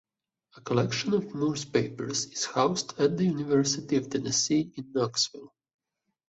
A collection of Moore's papers is housed at the University of Tennessee in Knoxville.